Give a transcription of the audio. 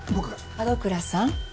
門倉さん